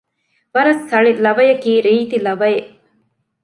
ވަރަށް ސަޅި ލަވަޔަކީ ރީތި ލަވައެއް